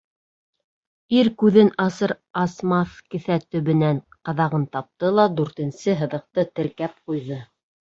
Ир күҙен асыр-асмаҫ кеҫә төбөнән ҡаҙағын тапты ла дүртенсе һыҙыҡты теркәп ҡуйҙы.